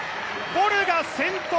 ボルが先頭。